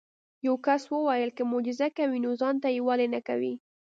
یو کس وویل که معجزه کوي نو ځان ته یې ولې نه کوې.